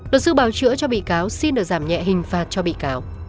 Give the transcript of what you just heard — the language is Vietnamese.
luật sư bào chữa cho bị cáo xin được giảm nhẹ hình phạt cho bị cáo